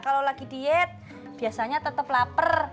kalau lagi diet biasanya tetap lapar